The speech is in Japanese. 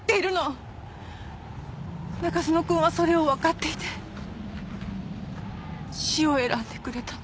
中園くんはそれをわかっていて死を選んでくれたの。